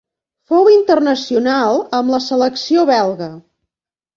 Fou internacional amb la selecció belga.